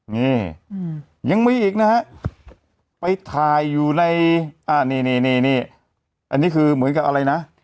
นี่ยังมีอีกนะฮะไปถ่ายอยู่ในอ่านี่นี่อันนี้คือเหมือนกับอะไรนะ